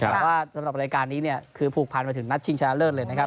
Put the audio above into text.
แต่ว่าสำหรับรายการนี้เนี่ยคือผูกพันไปถึงนัดชิงชนะเลิศเลยนะครับ